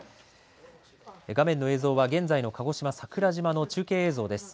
画面の映像は現在の鹿児島桜島の中継映像です。